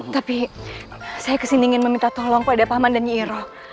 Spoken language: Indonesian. tapi saya kesini ingin meminta tolong pada paman dan nyi iroh